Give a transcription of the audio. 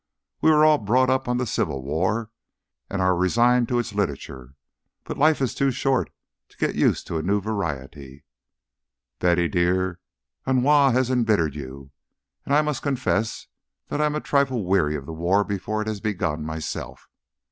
We were all brought up on the Civil War and are resigned to its literature. But life is too short to get used to a new variety." "Betty dear, ennui has embittered you, and I must confess that I am a trifle weary of the war before it has begun, myself.